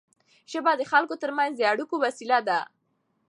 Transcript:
ژبه د خلکو ترمنځ د اړیکو وسیله ده.